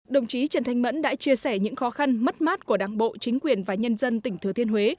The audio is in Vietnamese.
đồng chí trần thanh mẫn đã chia sẻ những khó khăn mất mát của đảng bộ chính quyền và nhân dân tỉnh thừa thiên huế